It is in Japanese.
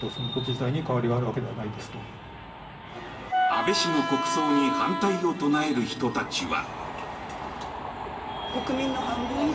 安倍氏の国葬に反対を唱える人たちは。